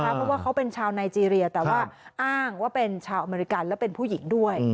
เพราะว่าเขาเป็นชาวไนเจรียแต่ว่าอ้างว่าเป็นชาวอเมริกันและเป็นผู้หญิงด้วย